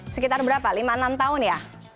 sekitar berapa lima enam tahun ya